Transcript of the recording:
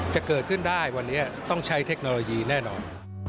จะเกิดขึ้นได้วันนี้ต้องใช้เทคโนโลยีแน่นอน